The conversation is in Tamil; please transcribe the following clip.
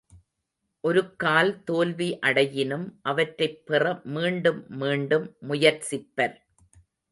ஒருக்கால் தோல்வி அடையினும், அவற்றைப் பெற மீண்டும் மீண்டும் முயற்சிப்பர்.